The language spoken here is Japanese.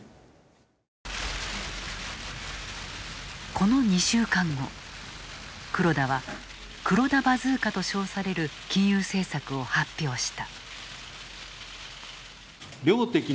この２週間後黒田は「黒田バズーカ」と称される金融政策を発表した。